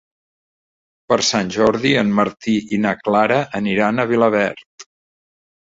Per Sant Jordi en Martí i na Clara aniran a Vilaverd.